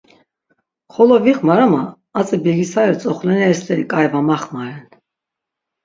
Xolo vixmar ama atzi bilgisayari tzoxleneri steri k̆ai va maxmaren.